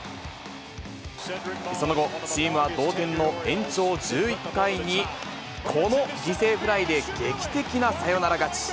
その後、チームは同点の延長１１回に、この犠牲フライで劇的なサヨナラ勝ち。